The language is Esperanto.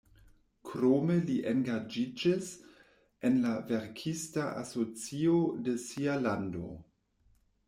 Krome li engaĝiĝis en la verkista asocio de sia lando.